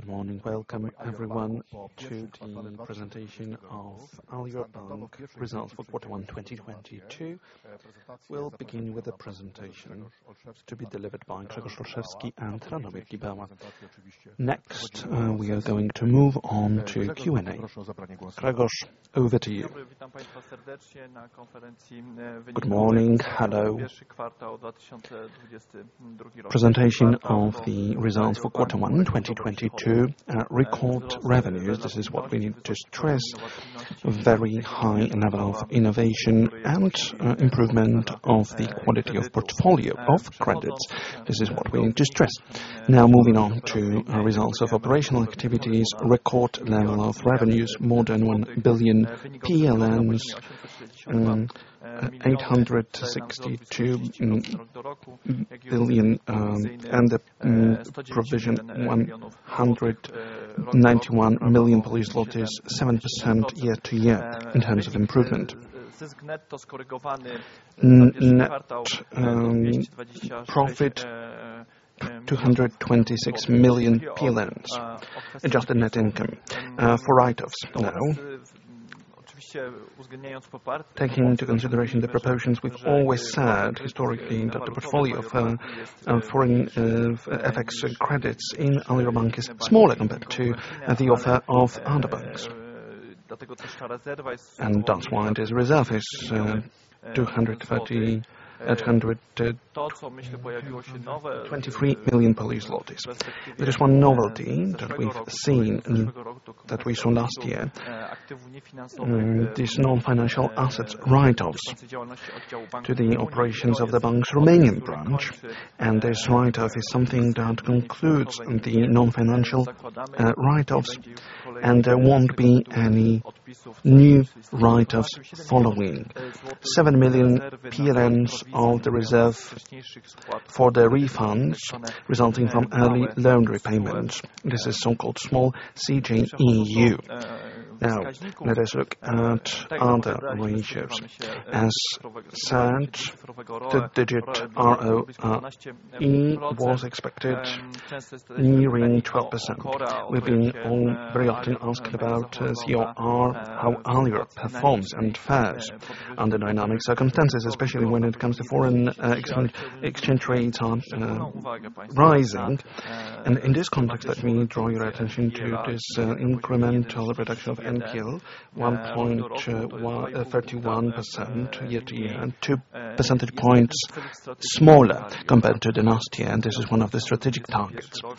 Good morning. Welcome everyone to the presentation of Alior Bank results for quarter 1 2022. We'll begin with the presentation to be delivered by Grzegorz Olszewski and Radomir Gibała. Next, we are going to move on to Q&A. Grzegorz, over to you. Good morning. Hello. Presentation of the results for quarter 1 2022. Record revenues, this is what we need to stress. Very high level of innovation and improvement of the quality of portfolio of credits. This is what we need to stress. Now, moving on to results of operational activities. Record level of revenues, more than 1 billion PLN, 862 million, and the provision 191 million Polish zloty, 7% year-over-year in terms of improvement. Net profit 226 million PLN, adjusted net income for write-offs. Now, taking into consideration the proportions, we've always said historically that the portfolio for foreign FX credits in Alior Bank is smaller compared to the offer of other banks. That's why this reserve is 238.823 million. There is one novelty that we've seen and that we saw last year. These non-financial assets write-offs to the operations of the bank's Romanian branch. This write-off is something that concludes the non-financial write-offs, and there won't be any new write-offs following. 7 million PLN of the reserve for the refunds resulting from early loan repayments. This is so-called CJEU. Now, let us look at other ratios. As said, the RORE was expected nearing 12%. We've been all very often asked about COR, how Alior performs and fares under dynamic circumstances, especially when it comes to foreign exchange rates are rising. In this context, let me draw your attention to this incremental reduction of NPL, 1.1%, 31% year-over-year, and two percentage points smaller compared to the last year. This is one of the strategic targets. If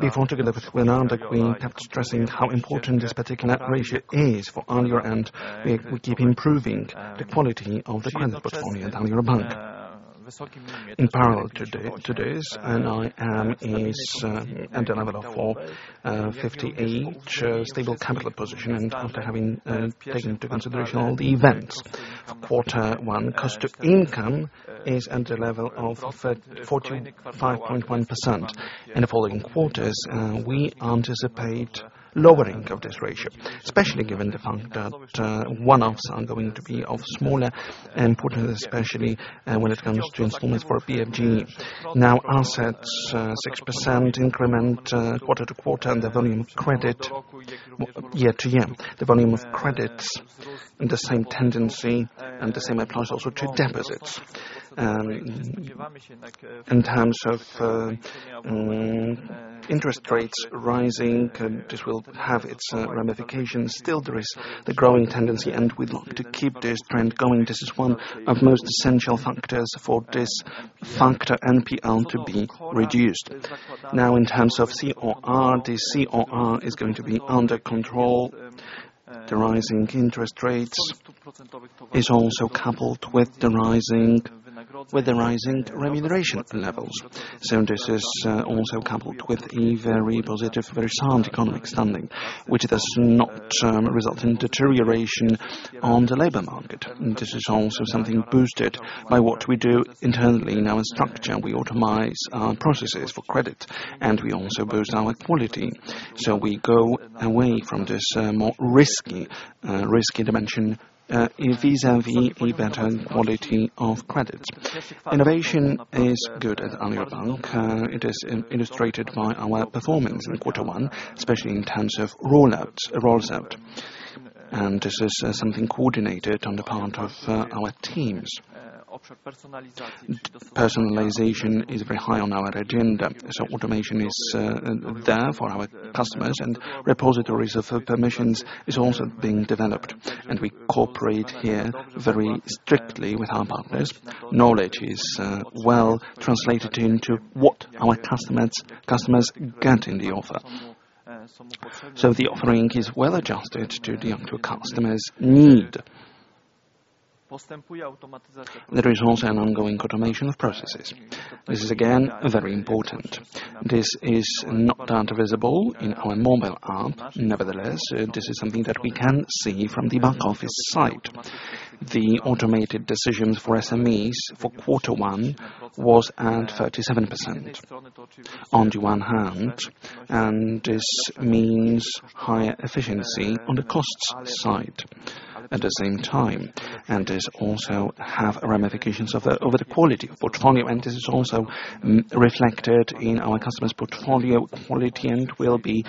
we want to get the particular number that we kept stressing how important this particular ratio is for Alior, and we keep improving the quality of the client portfolio at Alior Bank. In parallel to this, it is at the level of 58, stable capital position. After having taken into consideration all the events, the quarter one cost to income is at a level of 45.1%. In the following quarters, we anticipate lowering of this ratio, especially given the fact that one-offs are going to be of smaller importance, especially when it comes to installments for BFG. Now, assets 6% increment quarter-to-quarter, and the volume of credit year-to-year. The volume of credits, the same tendency, and the same applies also to deposits. In terms of interest rates rising, this will have its ramifications. Still, there is the growing tendency, and we'd look to keep this trend going. This is one of most essential factors for this factor NPL to be reduced. Now, in terms of COR, the COR is going to be under control. The rising interest rates is also coupled with the rising remuneration levels. This is also coupled with a very positive, very sound economic standing, which does not result in deterioration on the labor market. This is also something boosted by what we do internally in our structure. We automate processes for credit, and we also boost our quality. We go away from this more risky dimension vis-à-vis a better quality of credits. Innovation is good at Alior Bank. It is illustrated by our performance in quarter one, especially in terms of rollouts. This is something coordinated on the part of our teams. Personalization is very high on our agenda. Automation is there for our customers, and repositories of permissions is also being developed. We cooperate here very strictly with our partners. Knowledge is well translated into what our customers get in the offer. The offering is well-adjusted to a customer's need. There is also an ongoing automation of processes. This is again, very important. This is not that visible in our mobile app. Nevertheless, this is something that we can see from the back office side. The automated decisions for SMEs for quarter one was at 37% on the one hand, and this means higher efficiency on the costs side. At the same time, this also have ramifications on the quality of portfolio, and this is also reflected in our customers' portfolio quality, and will be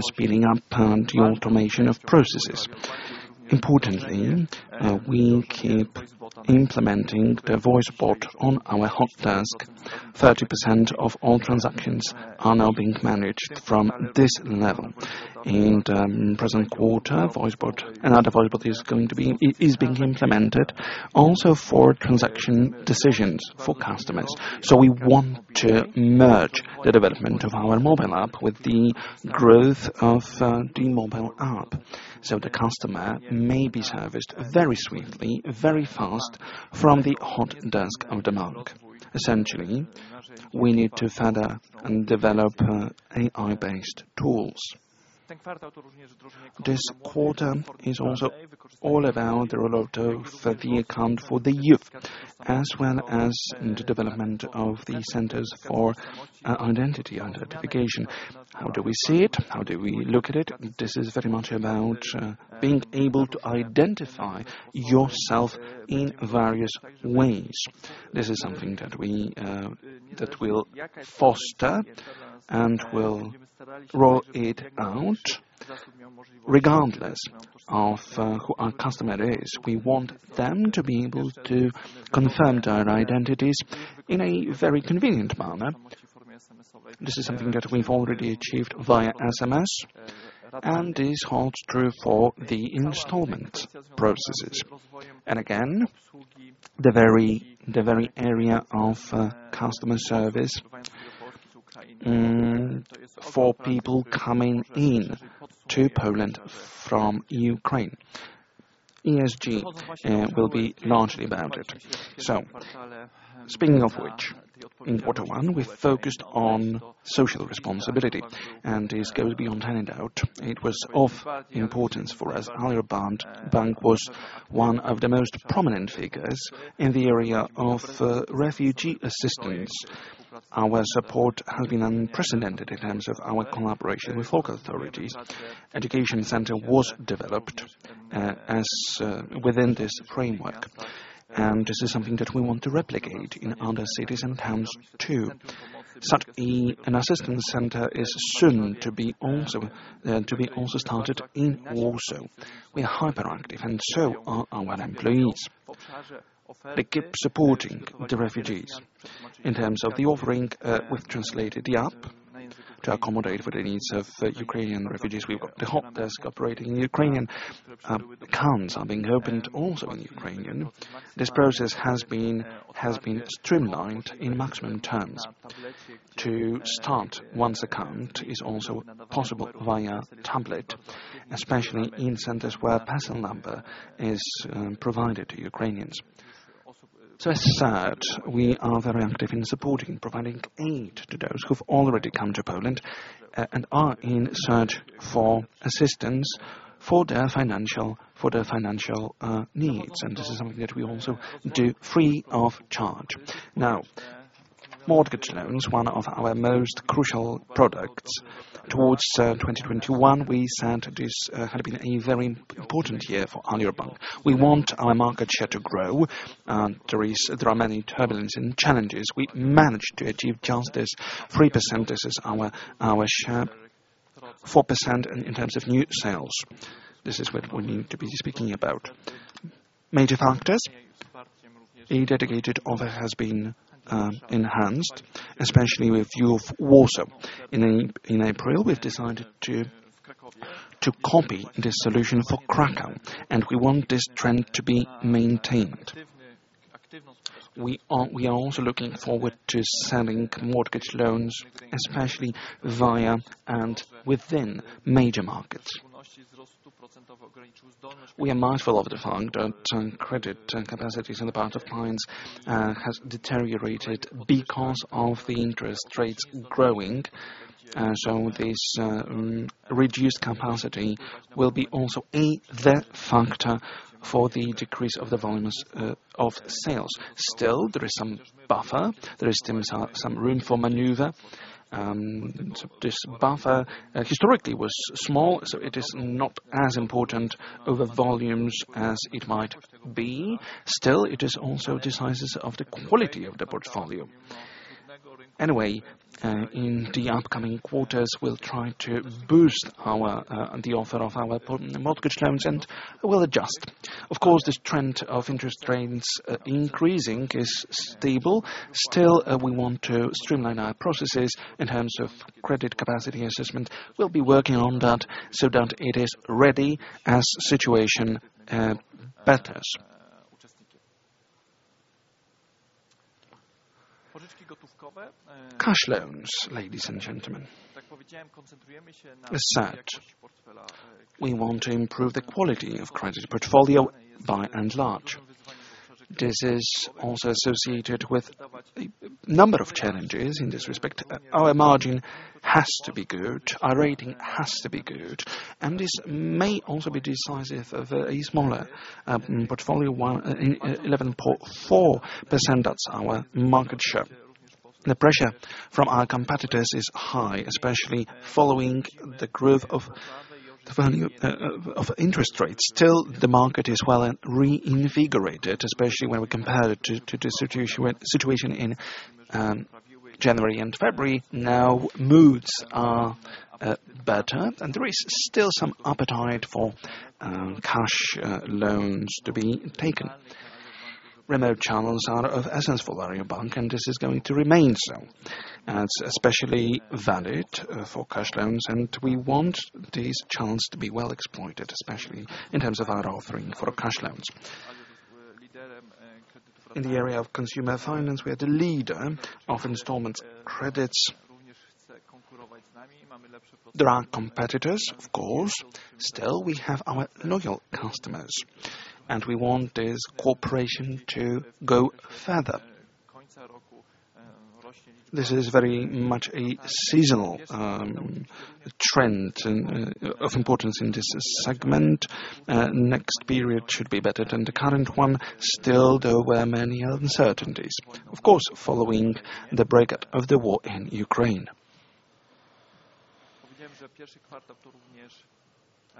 speeding up the automation of processes. Importantly, we keep implementing the voice bot on our hot desk. 30% of all transactions are now being managed from this level. Present quarter, voice bot, another voice bot is being implemented also for transaction decisions for customers. We want to merge the development of our mobile app with the growth of the mobile app, so the customer may be serviced very swiftly, very fast from the hot desk of the bank. Essentially, we need to further develop AI-based tools. This quarter is also all about the roll-out of the account for the youth, as well as the development of the centers for identity and identification. How do we see it? How do we look at it? This is very much about being able to identify yourself in various ways. This is something that we'll foster and we'll roll it out regardless of who our customer is. We want them to be able to confirm their identities in a very convenient manner. This is something that we've already achieved via SMS, and this holds true for the installment processes. Again, the very area of customer service for people coming in to Poland from Ukraine. ESG will be largely about it. Speaking of which, in quarter one, we focused on social responsibility, and this goes beyond handout. It was of importance for us. Alior Bank was one of the most prominent figures in the area of refugee assistance. Our support has been unprecedented in terms of our collaboration with local authorities. Education center was developed as within this framework, and this is something that we want to replicate in other cities and towns too. Such an assistance center is soon to be started in Warsaw. We are hyperactive, and so are our employees. They keep supporting the refugees. In terms of the offering, we've translated the app to accommodate for the needs of Ukrainian refugees. We've got the help desk operating. Ukrainian accounts are being opened also in Ukrainian. This process has been streamlined in maximum terms. To start one's account is also possible via tablet, especially in centers where PESEL number is provided to Ukrainians. As said, we are very active in supporting, providing aid to those who've already come to Poland, and are in search for assistance for their financial needs, and this is something that we also do free of charge. Now, mortgage loans, one of our most crucial products. Towards 2021, we said this had been a very important year for Alior Bank. We want our market share to grow. There are many turbulence and challenges. We managed to achieve just this 3%. This is our share. 4% in terms of new sales. This is what we need to be speaking about. Major factors. A dedicated offer has been enhanced, especially with view of Warsaw. In April, we've decided to copy this solution for Kraków, and we want this trend to be maintained. We are also looking forward to selling mortgage loans, especially via and within major markets. We are mindful of the fact that credit capacities on the part of clients has deteriorated because of the interest rates growing. This reduced capacity will also be a factor for the decrease of the volumes of sales. Still, there is some buffer. There is still some room for maneuver. This buffer historically was small, so it is not as important over volumes as it might be. Still, it is also decisive of the quality of the portfolio. Anyway, in the upcoming quarters, we'll try to boost the offer of our mortgage loans, and we'll adjust. Of course, this trend of interest rates increasing is stable. Still, we want to streamline our processes in terms of credit capacity assessment. We'll be working on that so that it is ready as situation betters. Cash loans, ladies and gentlemen. As said, we want to improve the quality of credit portfolio by and large. This is also associated with a number of challenges in this respect. Our margin has to be good, our rating has to be good, and this may also be decisive of a smaller portfolio 11.4%, that's our market share. The pressure from our competitors is high, especially following the growth of the value of interest rates. Still the market is well reinvigorated, especially when we compare to the situation in January and February. Now moods are better, and there is still some appetite for cash loans to be taken. Remote channels are of essence for Alior Bank, and this is going to remain so. It's especially valid for cash loans, and we want these channels to be well-exploited, especially in terms of our offering for cash loans. In the area of consumer finance, we are the leader of installment credits. There are competitors, of course. Still, we have our loyal customers, and we want this cooperation to go further. This is very much a seasonal trend of importance in this segment. Next period should be better than the current one. Still, there were many uncertainties, of course, following the outbreak of the war in Ukraine.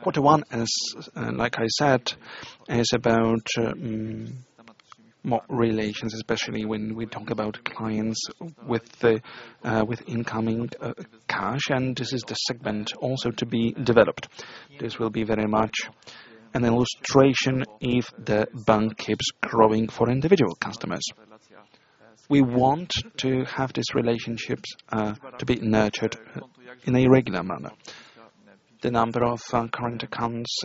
Quarter one is, like I said, about more relations, especially when we talk about clients with incoming cash, and this is the segment also to be developed. This will be very much an illustration if the bank keeps growing for individual customers. We want to have these relationships to be nurtured in a regular manner. The number of current accounts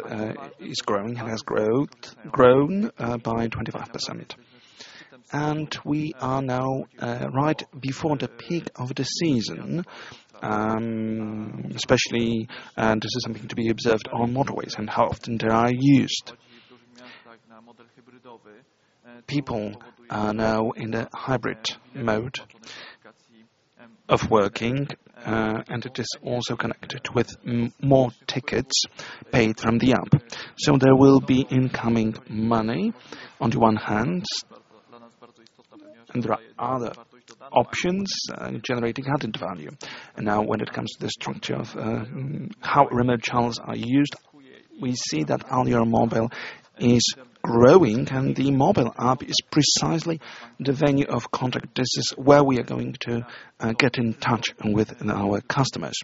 is growing. It has grown. Grown by 25%. We are now right before the peak of the season, especially, and this is something to be observed on motorways and how often they are used. People are now in a hybrid mode of working, and it is also connected with more tickets paid from the app. There will be incoming money on the one hand, and there are other options in generating added value. Now, when it comes to the structure of how remote channels are used, we see that Alior Mobile is growing, and the mobile app is precisely the venue of contact. This is where we are going to get in touch with our customers.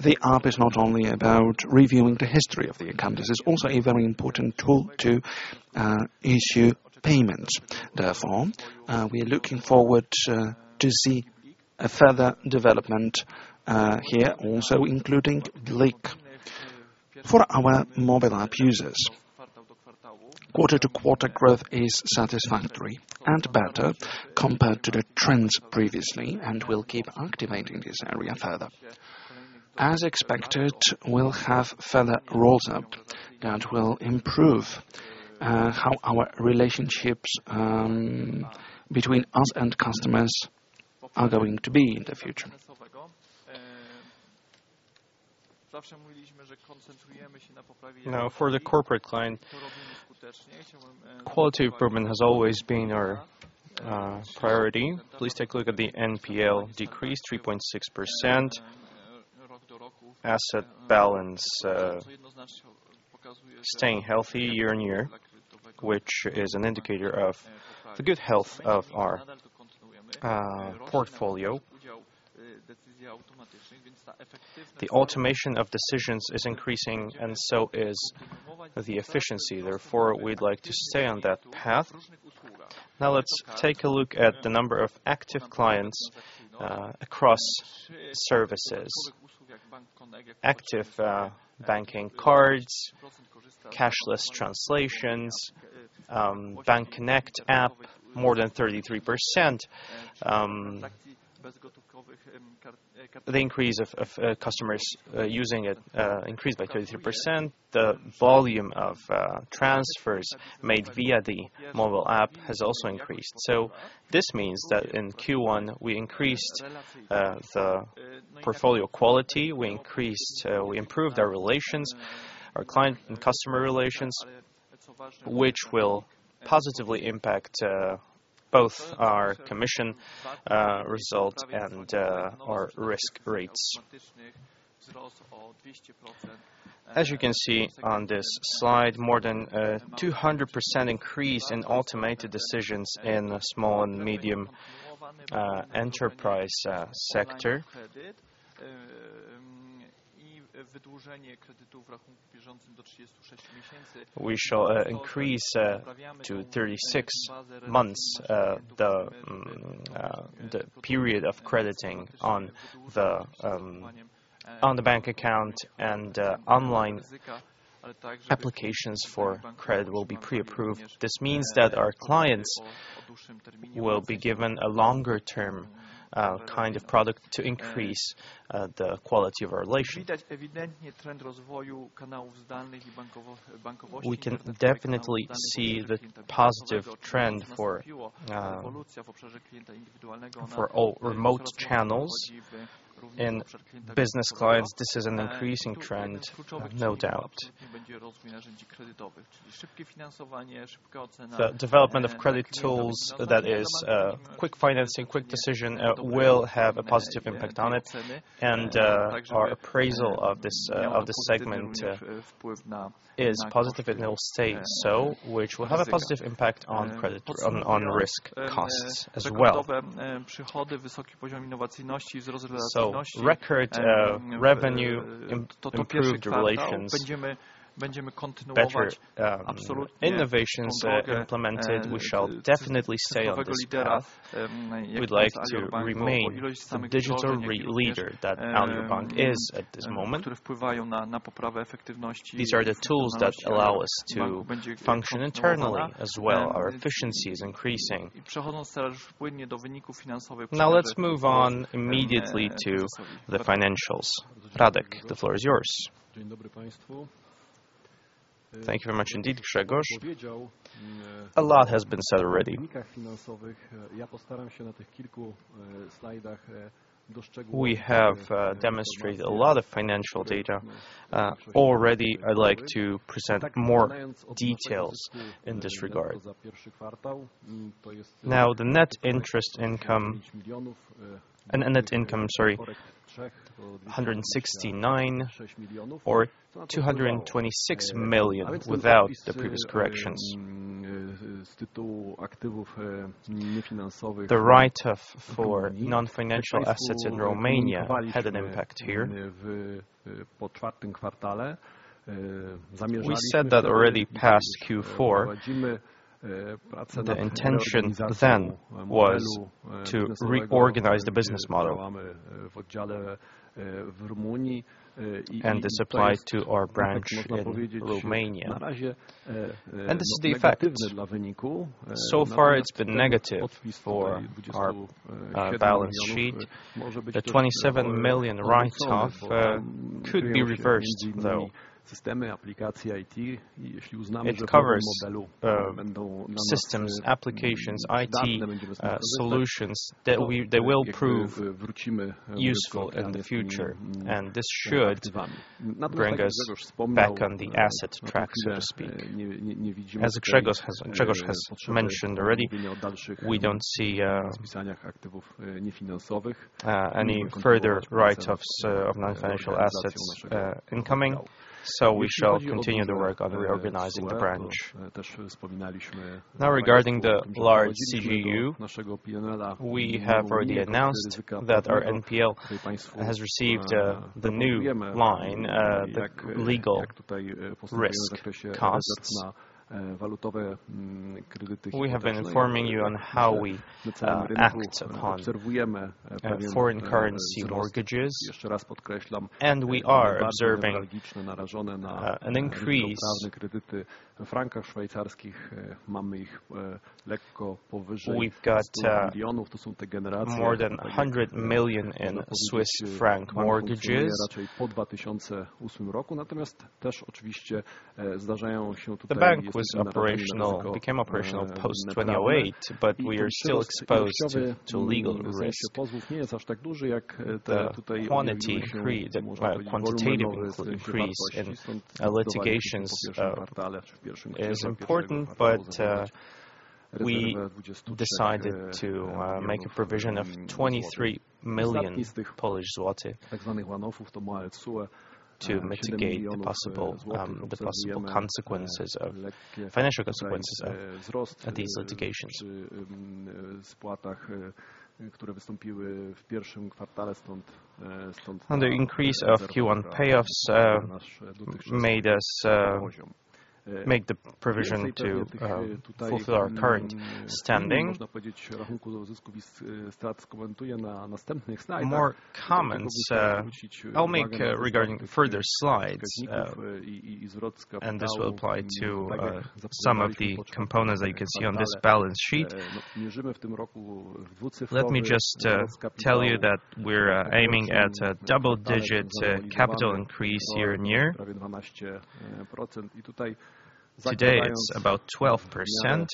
The app is not only about reviewing the history of the account. This is also a very important tool to issue payments. Therefore, we are looking forward to see a further development here also including BLIK. For our mobile app users, quarter-to-quarter growth is satisfactory and better compared to the trends previously and will keep activating this area further. As expected, we'll have further rollout that will improve how our relationships between us and customers are going to be in the future. Now, for the corporate client, quality improvement has always been our priority. Please take a look at the NPL decrease, 3.6%. Asset balance staying healthy year on year, which is an indicator of the good health of our portfolio. The automation of decisions is increasing and so is the efficiency. Therefore, we'd like to stay on that path. Now let's take a look at the number of active clients across services. Active banking cards, cashless transactions, Bank Connect app, more than 33%. The increase of customers using it increased by 33%. The volume of transfers made via the mobile app has also increased. This means that in Q1 we increased the portfolio quality, we improved our relations, our client and customer relations, which will positively impact both our commission result and our risk rates. As you can see on this slide, more than 200% increase in automated decisions in small and medium enterprise sector. We shall increase to 36 months the period of crediting on the bank account and online applications for credit will be pre-approved. This means that our clients will be given a longer-term, kind of product to increase the quality of our relation. We can definitely see the positive trend for all remote channels. In business clients, this is an increasing trend, no doubt. The development of credit tools, that is, quick financing, quick decision, will have a positive impact on it. Our appraisal of this segment is positive and it'll stay so, which will have a positive impact on risk costs as well. Record revenue, improved relations, better innovations implemented, we shall definitely stay on this path. We'd like to remain the digital leader that Alior Bank is at this moment. These are the tools that allow us to function internally as well. Our efficiency is increasing. Now, let's move on immediately to the financials. Radomir, the floor is yours. Thank you very much indeed, Grzegorz. A lot has been said already. We have demonstrated a lot of financial data already. I'd like to present more details in this regard. Now, the net interest income. Net income, sorry, 169 or 226 million without the previous corrections. The write-off for non-financial assets in Romania had an impact here. We said that already past Q4, the intention then was to reorganize the business model. This applies to our branch in Romania. This is the effect. So far, it's been negative for our balance sheet. The 27 million write-off could be reversed, though. It covers systems, applications, IT solutions that they will prove useful in the future, and this should bring us back on the asset track, so to speak. As Grzegorz has mentioned already, we don't see any further write-offs of non-financial assets incoming. We shall continue the work on reorganizing the branch. Now, regarding the large CJEU, we have already announced that our NPL has received the new line, the legal risk costs. We have been informing you on how we act upon foreign currency mortgages, and we are observing an increase. We've got more than 100 million in Swiss franc mortgages. The bank became operational post 2008, but we are still exposed to legal risk. The quantitative increase in litigations is important, but we decided to make a provision of 23 million Polish zloty to mitigate the possible financial consequences of these litigations. The increase of Q1 payoffs made us make the provision to fulfill our current standing. More comments I'll make regarding further slides, and this will apply to some of the components that you can see on this balance sheet. Let me just tell you that we're aiming at a double-digit capital increase year-on-year. Today, it's about 12%.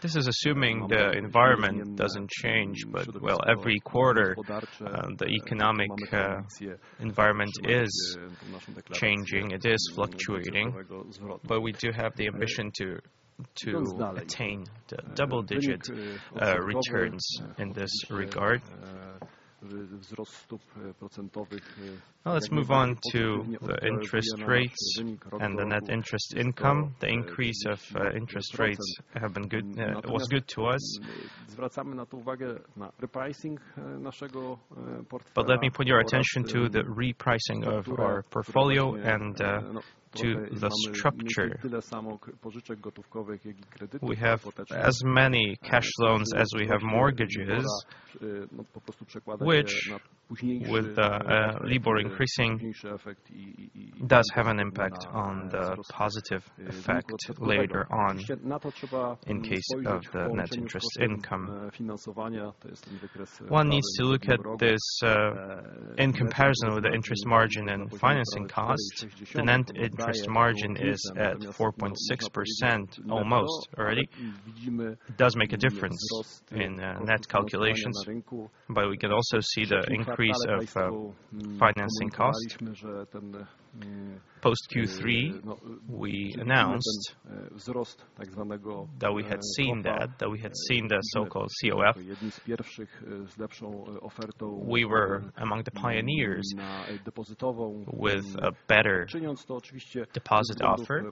This is assuming the environment doesn't change, but well, every quarter the economic environment is changing. It is fluctuating. We do have the ambition to attain the double-digit returns in this regard. Now, let's move on to the interest rates and the net interest income. The increase of interest rates was good to us. Let me point your attention to the repricing of our portfolio and to the structure. We have as many cash loans as we have mortgages, which with WIBOR increasing, does have an impact on the positive effect later on in case of the net interest income. One needs to look at this in comparison with the interest margin and financing cost. The net interest margin is at 4.6% almost already. It does make a difference in net calculations, but we can also see the increase of financing cost. Post Q3, we announced that we had seen the so-called CoF. We were among the pioneers with a better deposit offer.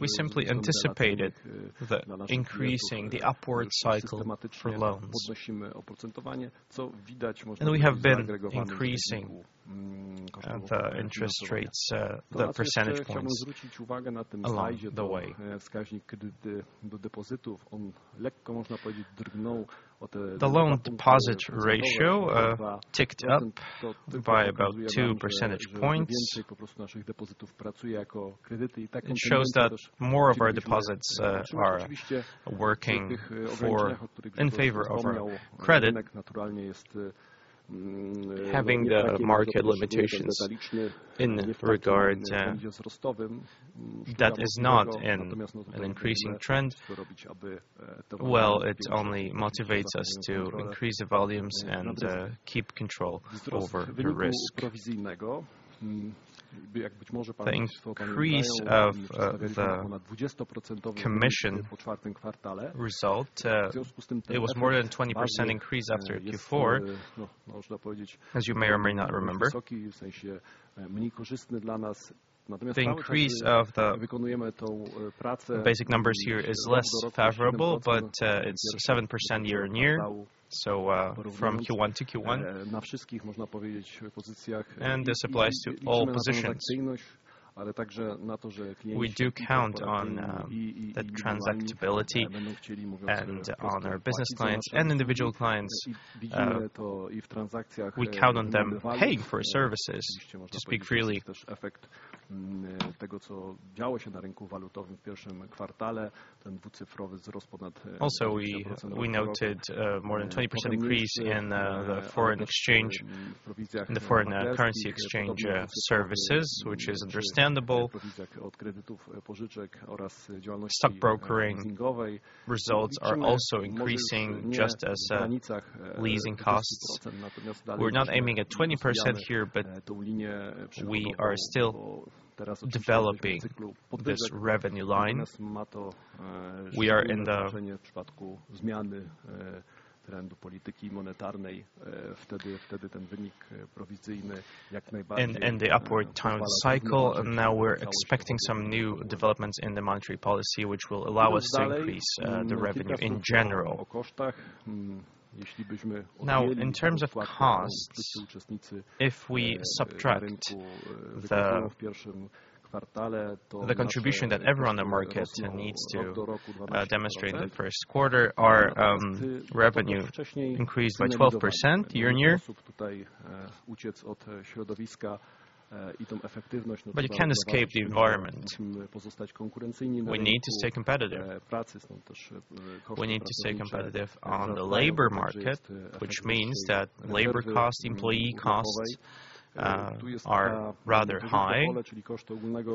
We simply anticipated the increasing upward cycle for loans. We have been increasing the interest rates, the percentage points along the way. The loan deposit ratio ticked up by about two percentage points. It shows that more of our deposits are working in favor of our credit. Having the market limitations in regard, that is not an increasing trend. Well, it only motivates us to increase the volumes and keep control over the risk. The increase of the commission result, it was more than 20% increase after Q4. As you may or may not remember. The increase of the basic numbers here is less favorable, but it's 7% year-on-year, so from Q1 to Q1. This applies to all positions. We do count on the transactability and on our business clients and individual clients. We count on them paying for services, to speak freely. Also, we noted more than 20% increase in the foreign currency exchange services, which is understandable. Stockbroking results are also increasing just as leasing costs. We're not aiming at 20% here, but we are still developing this revenue line. We are in the upward turning cycle, and now we're expecting some new developments in the monetary policy, which will allow us to increase the revenue in general. Now, in terms of costs, if we subtract the contribution that everyone on the market needs to demonstrate in the first quarter, our revenue increased by 12% year-on-year. You can't escape the environment. We need to stay competitive. We need to stay competitive on the labor market, which means that labor costs, employee costs, are rather high.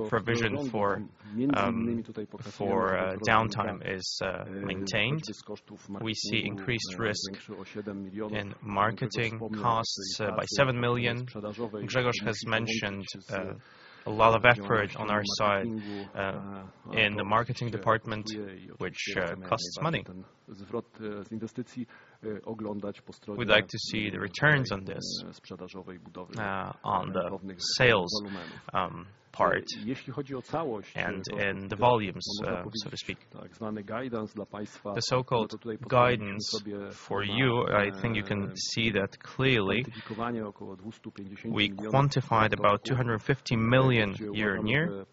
Provision for downtime is maintained. We see increased risk in marketing costs by 7 million. Grzegorz has mentioned a lot of effort on our side in the marketing department, which costs money. We'd like to see the returns on this on the sales part and in the volumes so to speak. The so-called guidance for you, I think you can see that clearly. We quantified about 250 million year-over-year.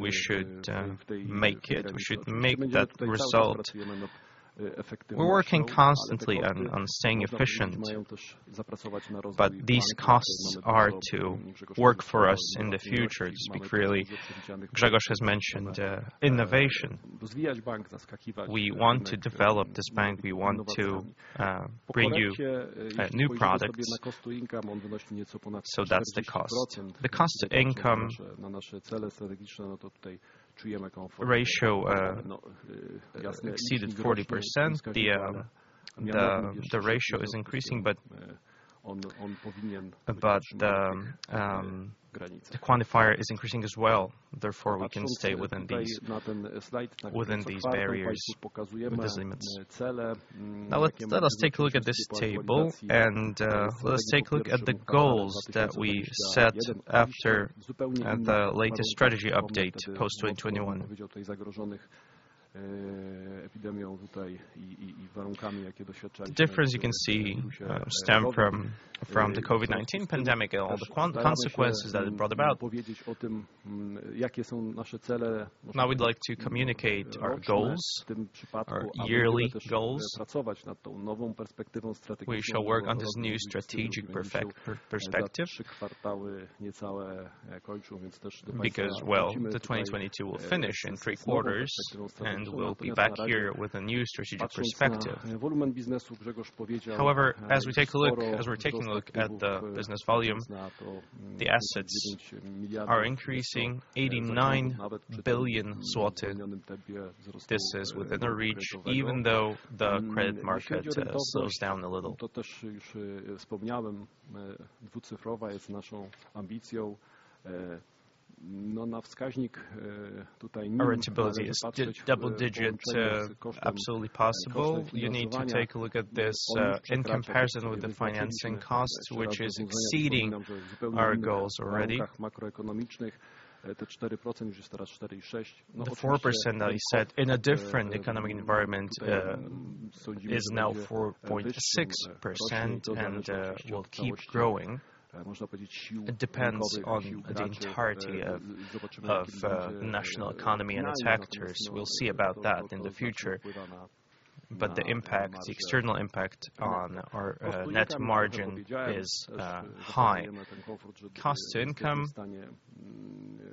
We should make it. We should make that result. We're working constantly on staying efficient, but these costs are to work for us in the future, to speak freely. Grzegorz has mentioned innovation. We want to develop this bank. We want to bring you new products. That's the cost. The cost to income ratio exceeded 40%. The ratio is increasing but the quantifier is increasing as well. Therefore, we can stay within these barriers, within these limits. Now, let us take a look at this table, and let us take a look at the goals that we set after the latest strategy update post 2021. The difference you can see stem from the COVID-19 pandemic and all the consequences that it brought about. Now we'd like to communicate our goals, our yearly goals. We shall work on this new strategic perspective because, well, the 2022 will finish in three quarters, and we'll be back here with a new strategic perspective. However, as we're taking a look at the business volume, the assets are increasing 89 billion zloty. This is within our reach, even though the credit market slows down a little. Profitability is double digit, absolutely possible. You need to take a look at this, in comparison with the financing costs, which is exceeding our goals already. The 4% that I said in a different economic environment is now 4.6% and will keep growing. It depends on the entirety of national economy and its factors. We'll see about that in the future. The impact, the external impact on our net margin is high. Cost to income,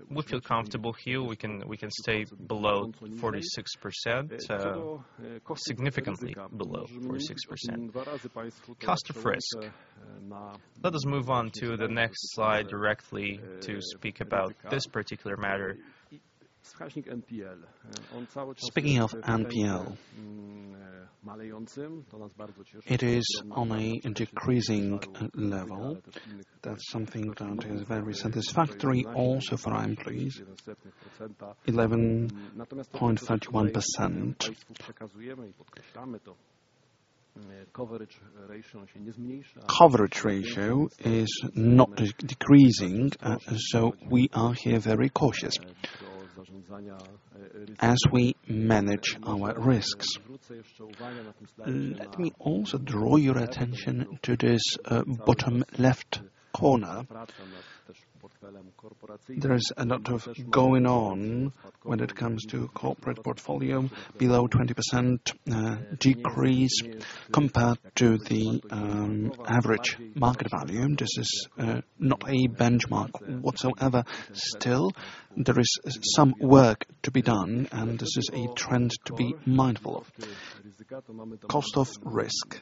we feel comfortable here. We can stay below 46%, significantly below 46%. Cost of risk. Let us move on to the next slide directly to speak about this particular matter. Speaking of NPL, it is on a decreasing level. That's something that is very satisfactory also for employees, 11.31%. Coverage ratio is not decreasing, so we are here very cautious as we manage our risks. Let me also draw your attention to this bottom left corner. There is a lot of going on when it comes to corporate portfolio. Below 20%, decrease compared to the average market value. This is not a benchmark whatsoever. Still, there is some work to be done, and this is a trend to be mindful of. Cost of risk.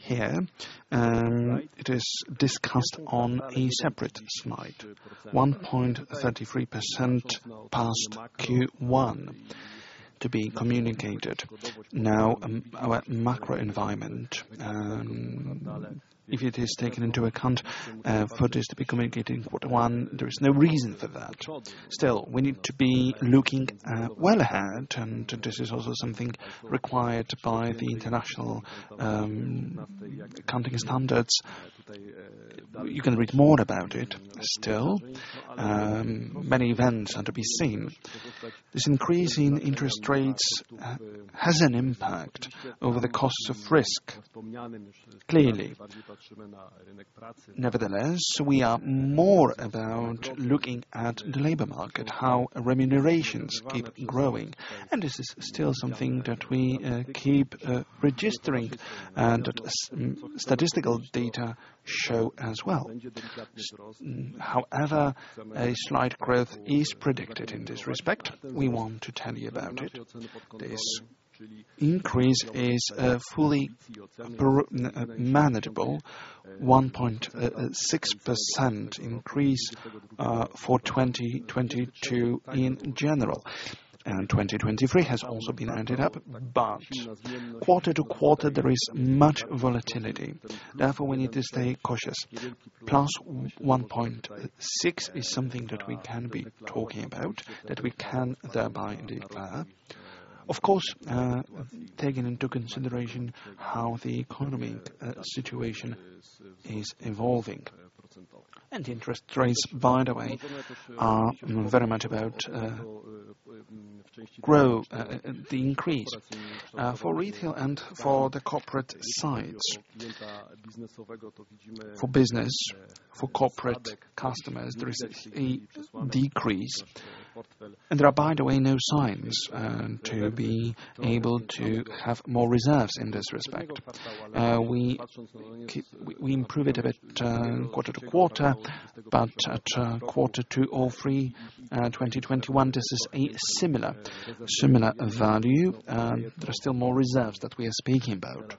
Here, it is discussed on a separate slide. 1.33% past Q1 to be communicated. Now, our macro environment, if it is taken into account, for this to be communicated for one, there is no reason for that. Still, we need to be looking, well ahead, and this is also something required by the international, accounting standards. You can read more about it still. Many events are to be seen. This increase in interest rates, has an impact over the costs of risk, clearly. Nevertheless, we are more about looking at the labor market, how remunerations keep growing, and this is still something that we keep registering and that statistical data show as well. However, a slight growth is predicted in this respect. We want to tell you about it. This increase is fully manageable. 1.6% increase for 2022 in general, and 2023 has also been included. Quarter-to-quarter there is much volatility. Therefore, we need to stay cautious. Plus 1.6% is something that we can be talking about, that we can thereby declare. Of course, taking into consideration how the economic situation is evolving. Interest rates, by the way, are very much about the increase for retail and for the corporate sides. For business, for corporate customers, there is a decrease, and there are, by the way, no signs to be able to have more reserves in this respect. We keep. We improve it a bit quarter-over-quarter, but at quarter 2 or 3, 2021, this is a similar value. There are still more reserves that we are speaking about.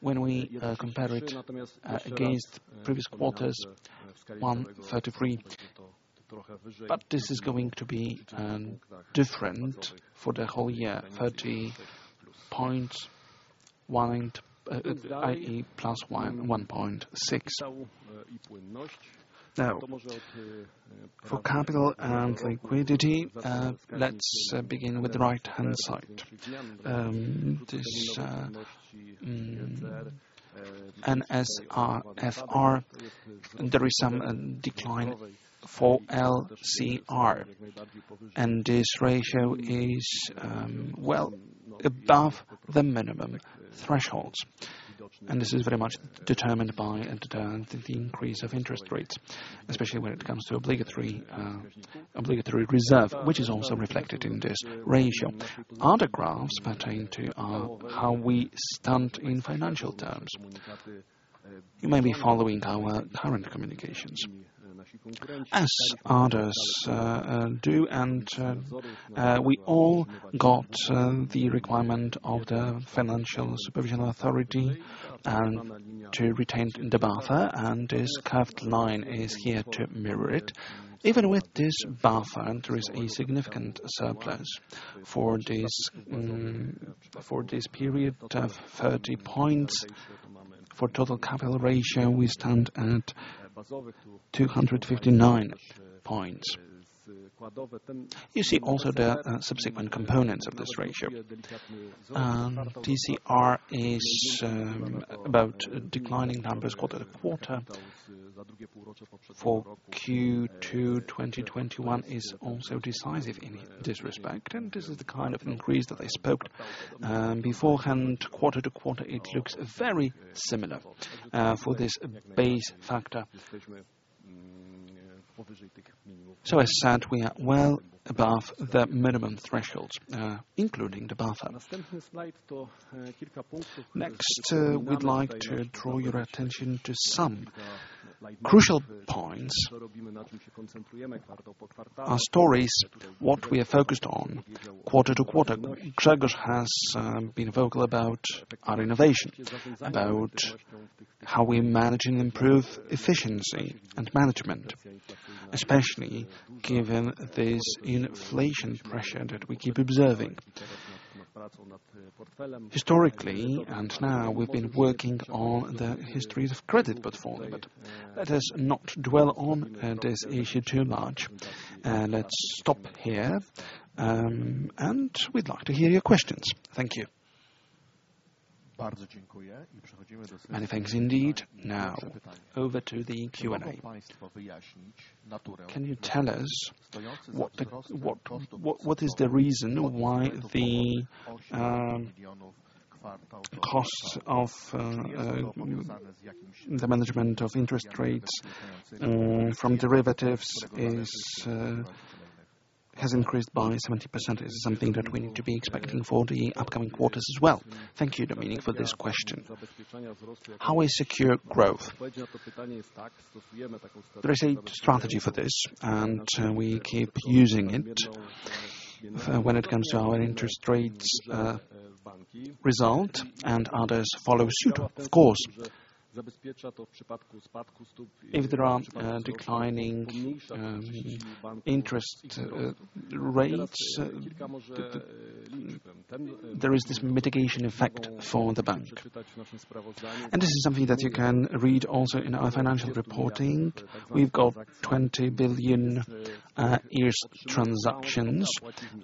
When we compare it against previous quarters, 133. But this is going to be different for the whole year, 30.1%, i.e. +11.6%. Now, for capital and liquidity, let's begin with the right-hand side. This NSFR, there is some decline for LCR, and this ratio is well above the minimum thresholds. This is very much determined by the increase of interest rates, especially when it comes to obligatory reserve, which is also reflected in this ratio. Other graphs pertain to how we stand in financial terms. You may be following our current communications. As others do and we all got the requirement of the Financial Supervisory Authority, and to retain the buffer, and this curved line is here to mirror it. Even with this buffer, and there is a significant surplus for this period of 30 points. For total capital ratio, we stand at 259 points. You see also the subsequent components of this ratio. TCR is about declining numbers quarter-over-quarter. For Q2 2021 is also decisive in this respect, and this is the kind of increase that I spoke beforehand. Quarter-over-quarter, it looks very similar for this base factor. As said, we are well above the minimum thresholds, including the buffer. Next, we'd like to draw your attention to some crucial points. Our stories, what we are focused on quarter to quarter. Grzegorz has been vocal about our innovation, about how we manage and improve efficiency and management, especially given this inflation pressure that we keep observing. Historically, now we've been working on the histories of credit performance. Let us not dwell on this issue too much. Let's stop here, and we'd like to hear your questions. Thank you. Many thanks indeed. Now, over to the Q&A. Can you tell us what is the reason why the costs of the management of interest rates from derivatives has increased by 70%? Is this something that we need to be expecting for the upcoming quarters as well? Thank you, Dominik, for this question. How we secure growth? There is a strategy for this, and we keep using it. When it comes to our interest rates, our results and others follow suit, of course. If there are declining interest rates, there is this mitigation effect for the bank. This is something that you can read also in our financial reporting. We've got 20 billion in transactions.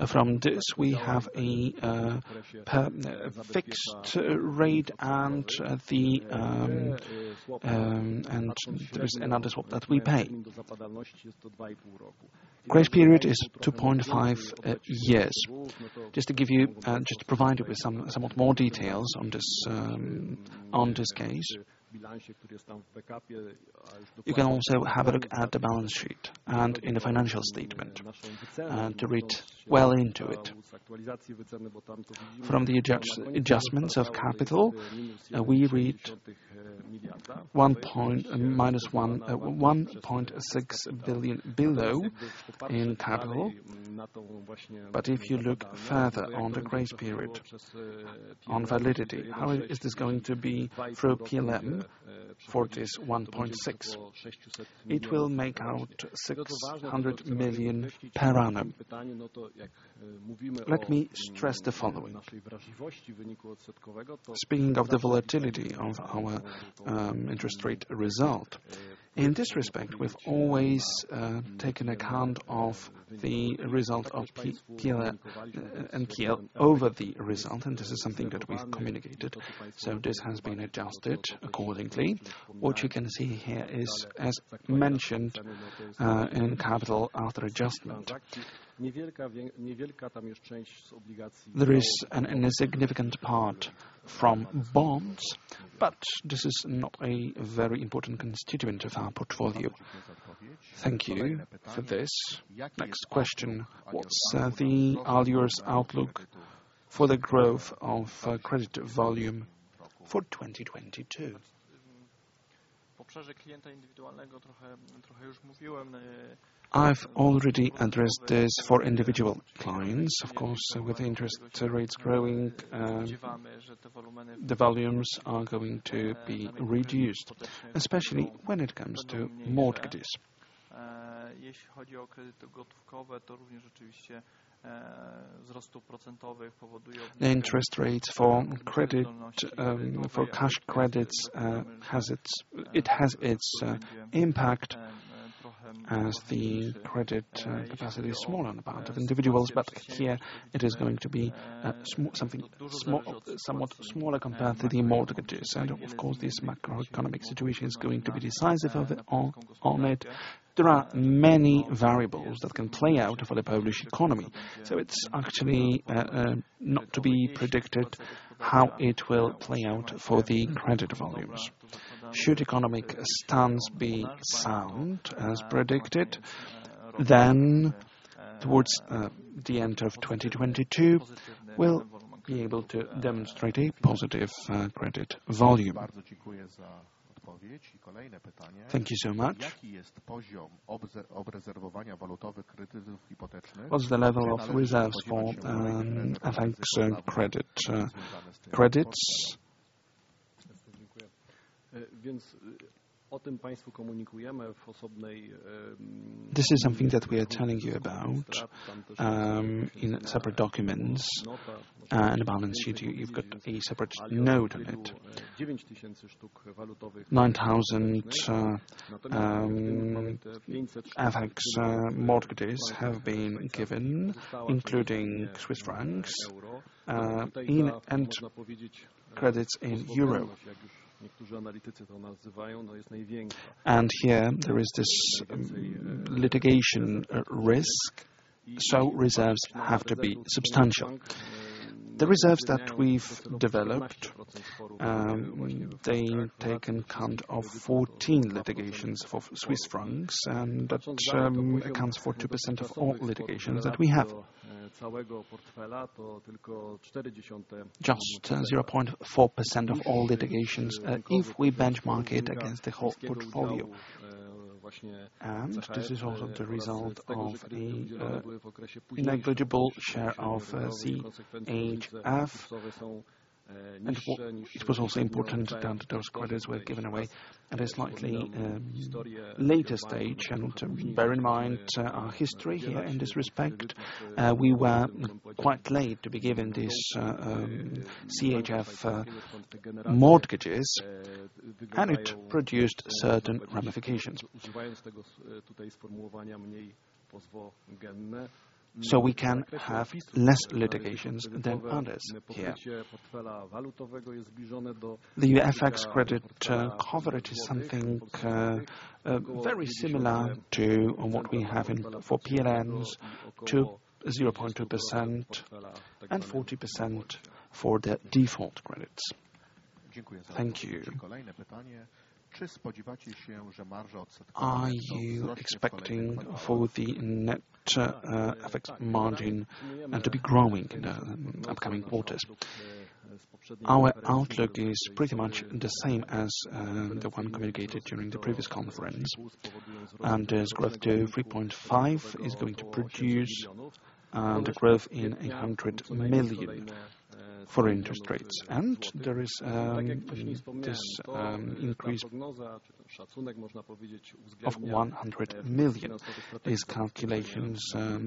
From this, we have a fixed rate and there is another swap that we pay. Grace period is 2.5 years. Just to provide you with some somewhat more details on this case. You can also have a look at the balance sheet and in the financial statement to read well into it. From the adjustments of capital, we read minus 1.6 billion below in capital. If you look further on the grace period and validity, how is this going to be a problem for this 1.6? It will make up 600 million per annum. Let me stress the following. Speaking of the volatility of our interest rate result, in this respect, we've always taken account of the result of P&L and P&L over the result, and this is something that we've communicated. This has been adjusted accordingly. What you can see here is, as mentioned, our capital after adjustment. There is an insignificant part from bonds, but this is not a very important constituent of our portfolio. Thank you for this. Next question. What's the Alior Bank's outlook for the growth of credit volume for 2022? I've already addressed this for individual clients. Of course, with interest rates growing, the volumes are going to be reduced, especially when it comes to mortgages. The interest rates for credit for cash credits has its impact as the credit capacity is smaller on the part of individuals, but here it is going to be somewhat smaller compared to the mortgages. Of course, this macroeconomic situation is going to be decisive of it. There are many variables that can play out for the Polish economy, so it's actually not to be predicted how it will play out for the credit volumes. Should economic stance be sound as predicted, then towards the end of 2022, we'll be able to demonstrate a positive credit volume. Thank you so much. What's the level of reserves for FX credit credits? This is something that we are telling you about in separate documents, in the balance sheet you've got a separate note on it. 9,000 FX mortgages have been given, including Swiss francs and credits in euro. Here there is this litigation risk, so reserves have to be substantial. The reserves that we've developed, they take into account 14 litigations for Swiss francs, and that accounts for 2% of all litigations that we have. Just 0.4% of all litigations, if we benchmark it against the whole portfolio. This is also the result of a negligible share of CHF. It was also important that those credits were given away at a slightly later stage. Bear in mind our history here in this respect. We were quite late to be given these CHF mortgages, and it produced certain ramifications. We can have less litigations than others here. The FX credit coverage is something very similar to what we have for PLN to 0.2% and 40% for the default credits. Thank you. Are you expecting for the net FX margin to be growing in the upcoming quarters? Our outlook is pretty much the same as the one communicated during the previous conference. This growth to 3.5 is going to produce the growth in 100 million for interest rates. There is this increase of 100 million. These calculations are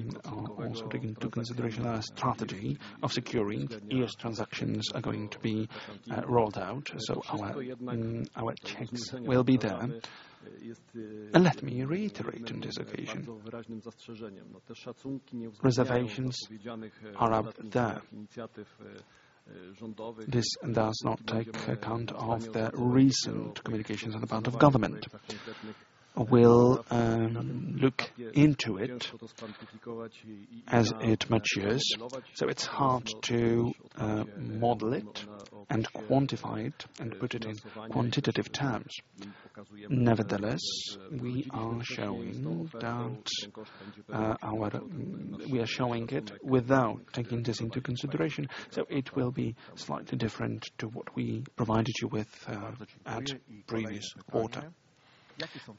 also taking into consideration our strategy of securing if transactions are going to be rolled out. Our checks will be there. Let me reiterate on this occasion. Reservations are up there. This does not take account of the recent communications on the part of government. We'll look into it as it matures, so it's hard to model it and quantify it, and put it in quantitative terms. Nevertheless, we are showing it without taking this into consideration, so it will be slightly different to what we provided you with at previous quarter.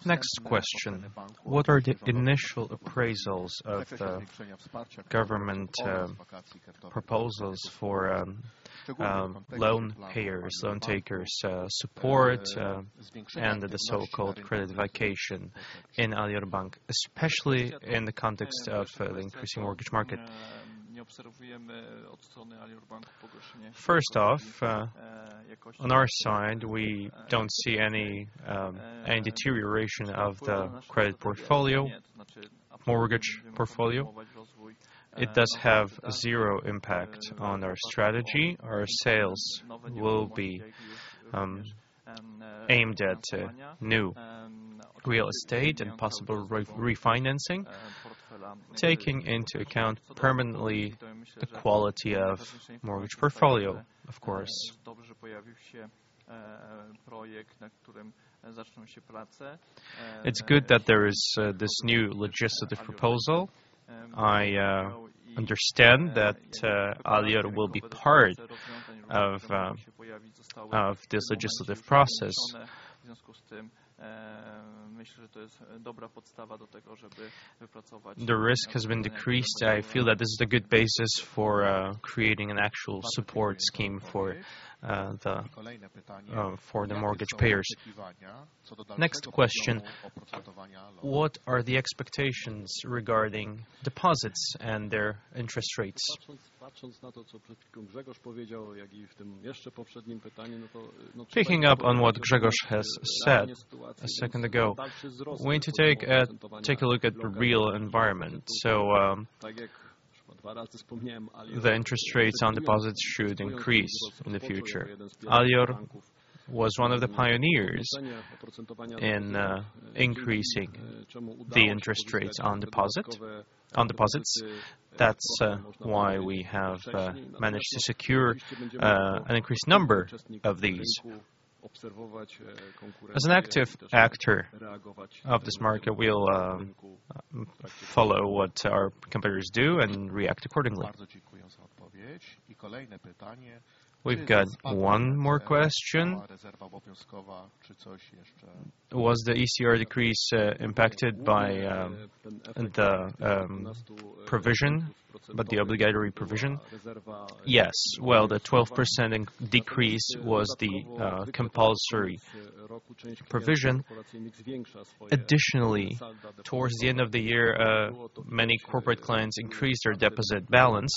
Next question: What are the initial appraisals of the government proposals for loan payers, loan takers support, and the so-called credit vacation in Alior Bank, especially in the context of the increasing mortgage market? First off, on our side, we don't see any deterioration of the credit portfolio, mortgage portfolio. It does have 0 impact on our strategy. Our sales will be aimed at new real estate and possible re-refinancing, taking into account permanently the quality of mortgage portfolio, of course. It's good that there is this new legislative proposal. I understand that Alior will be part of this legislative process. The risk has been decreased. I feel that this is a good basis for creating an actual support scheme for the mortgage payers. Next question. What are the expectations regarding deposits and their interest rates? Picking up on what Grzegorz has said a second ago, we need to take a look at real environment. The interest rates on deposits should increase in the future. Alior was one of the pioneers in increasing the interest rates on deposit, on deposits. That's why we have managed to secure an increased number of these. As an active actor of this market, we'll follow what our competitors do and react accordingly. We've got one more question. Was the LCR decrease impacted by the provision, by the obligatory provision? Yes. Well, the 12% decrease was the compulsory provision. Additionally, towards the end of the year, many corporate clients increased their deposit balance,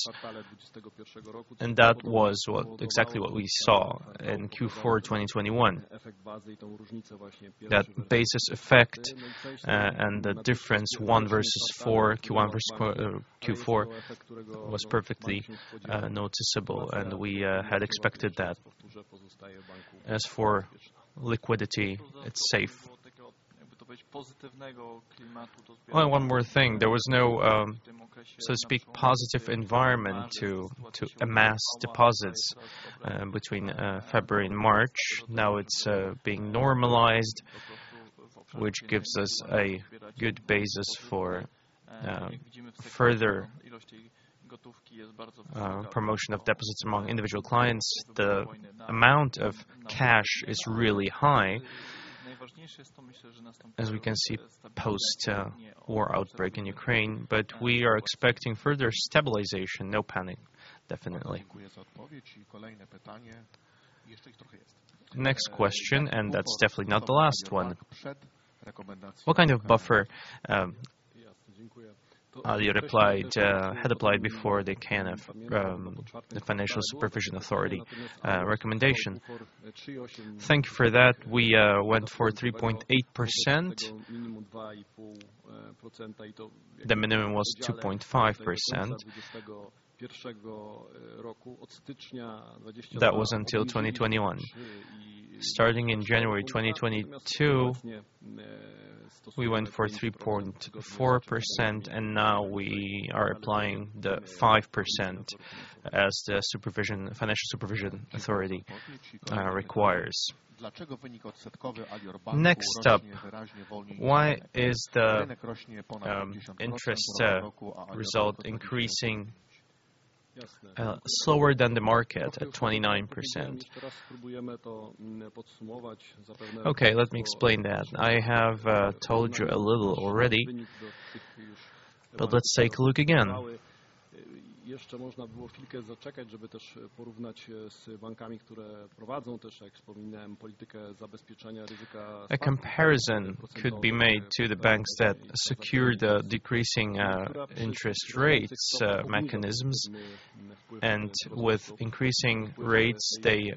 and that was exactly what we saw in Q4 2021. That basis effect and the difference one versus four, Q1 versus Q4, was perfectly noticeable, and we had expected that. As for liquidity, it's safe. Well, one more thing. There was no, so to speak, positive environment to amass deposits between February and March. Now it's being normalized, which gives us a good basis for further promotion of deposits among individual clients. The amount of cash is really high, as we can see post war outbreak in Ukraine. We are expecting further stabilization. No panic, definitely. Next question, and that's definitely not the last one. What kind of buffer you replied had applied before the KNF, the Polish Financial Supervision Authority, recommendation? Thank you for that. We went for 3.8%. The minimum was 2.5%. That was until 2021. Starting in January 2022, we went for 3.4%, and now we are applying the 5% as the Polish Financial Supervision Authority requires. Next up, why is the interest result increasing slower than the market at 29%? Okay, let me explain that. I have told you a little already, but let's take a look again. A comparison could be made to the banks that secure the decreasing interest rates mechanisms. With increasing rates, they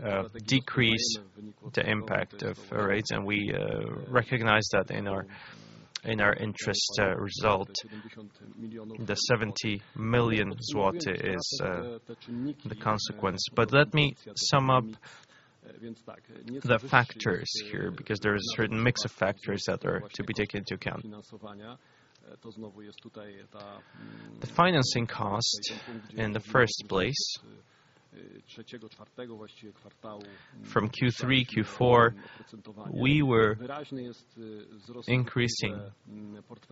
decrease the impact of rates. We recognize that in our interest result. The 70 million zloty is the consequence. Let me sum up the factors here because there is a certain mix of factors that are to be taken into account. The financing cost in the first place. From Q3, Q4, we were increasing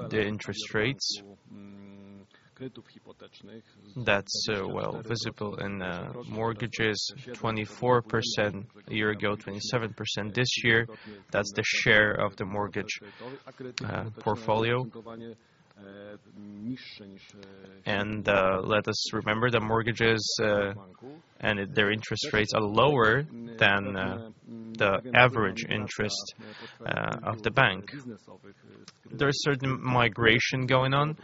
the interest rates. That's well visible in mortgages. 24% a year ago, 27% this year. That's the share of the mortgage portfolio. Let us remember the mortgages and their interest rates are lower than the average interest of the bank. There's certain migration going on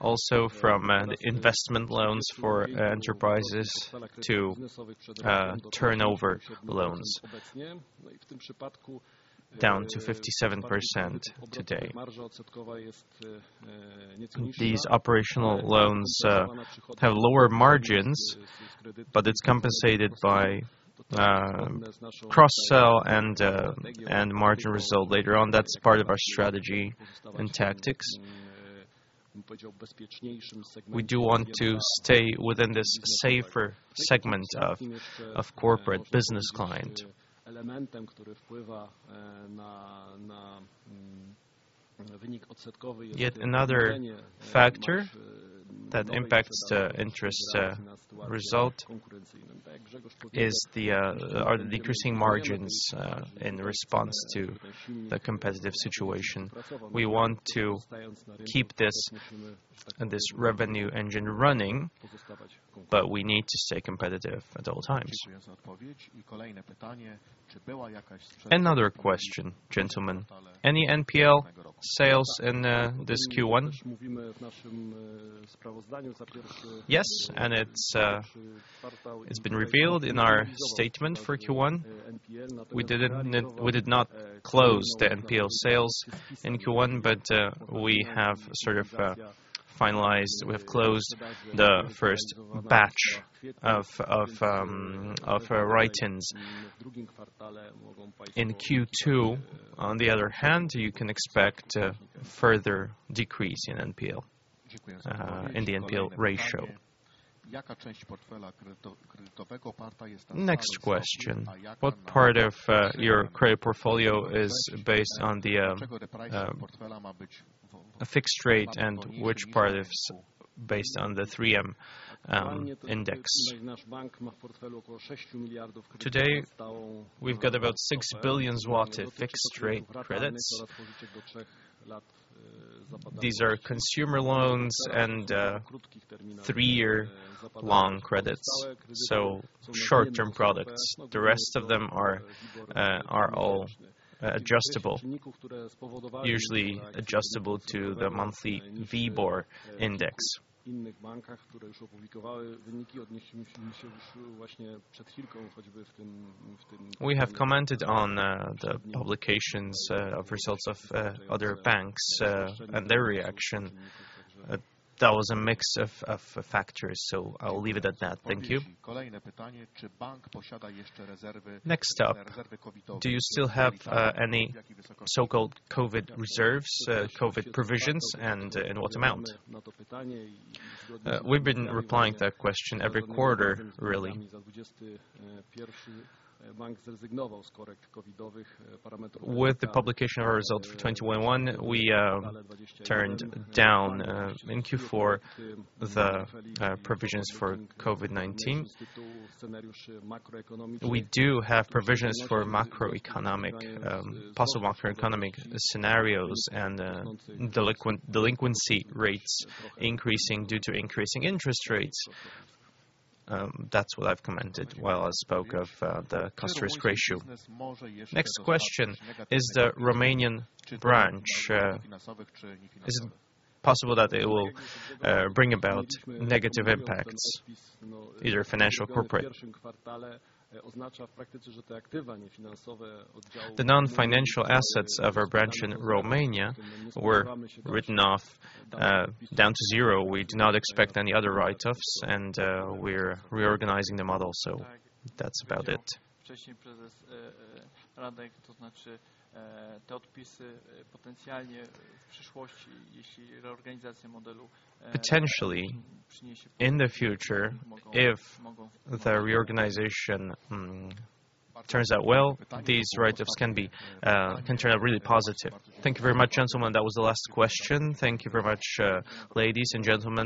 also from investment loans for enterprises to turnover loans down to 57% today. These operational loans have lower margins, but it's compensated by cross-sell and margin result later on. That's part of our strategy and tactics. We do want to stay within this safer segment of corporate business client. Yet another factor that impacts the interest result is the decreasing margins in response to the competitive situation. We want to keep this revenue engine running, but we need to stay competitive at all times. Another question, gentlemen. Any NPL sales in this Q1? Yes, and it's been revealed in our statement for Q1. We did not close the NPL sales in Q1, but we have closed the first batch of write-offs. In Q2, on the other hand, you can expect a further decrease in NPL in the NPL ratio. Next question. What part of your credit portfolio is based on a fixed rate and which part is based on the three-month index? Today, we've got about 6 billion zloty fixed-rate credits. These are consumer loans and three-year long credits, so short-term products. The rest of them are all adjustable, usually adjustable to the monthly WIBOR index. We have commented on the publications of results of other banks and their reaction. That was a mix of factors, so I'll leave it at that. Thank you. Next up: Do you still have any so-called COVID reserves, COVID provisions, and in what amount? We've been replying to that question every quarter, really. With the publication of our results for 2021, we turned down in Q4 the provisions for COVID-19. We do have provisions for macroeconomic possible macroeconomic scenarios and delinquency rates increasing due to increasing interest rates. That's what I've commented while I spoke of the cost/income ratio. Next question: Is the Romanian branch... Is it possible that it will bring about negative impacts, either financial, corporate? The non-financial assets of our branch in Romania were written off down to zero. We do not expect any other write-offs, and we're reorganizing the model. That's about it. Potentially, in the future, if the reorganization turns out well, these write-offs can turn out really positive. Thank you very much, gentlemen. That was the last question. Thank you very much, ladies and gentlemen.